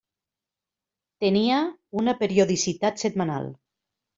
Tenia una periodicitat setmanal.